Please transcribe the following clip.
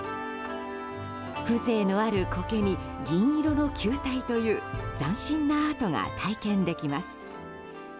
風情のあるコケに銀色の球体という斬新なアートが体験できます。